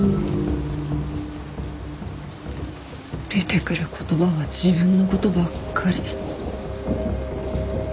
出てくる言葉は自分の事ばっかり。